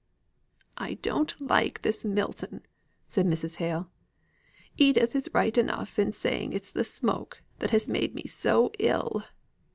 "I don't like this Milton," said Mrs. Hale. "Edith is right enough in saying it's the smoke that has made me so ill."